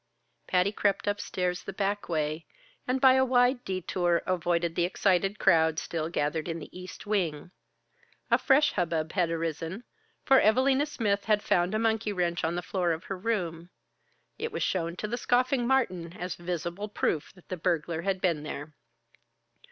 Patty crept upstairs the back way, and by a wide detour avoided the excited crowd still gathered in the East Wing. A fresh hub bub had arisen, for Evalina Smith had found a monkey wrench on the floor of her room. It was shown to the scoffing Martin as visible proof that the burglar had been there.